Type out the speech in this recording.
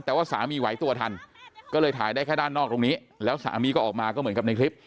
แต่ว่าสามีไหวตัวทันก็เลยถ่ายได้แค่ด้านนอกตรงนี้แล้วสามีก็ออกมาก็เหมือนกับในคลิป